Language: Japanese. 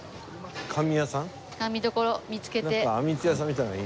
甘味どころ見つけて。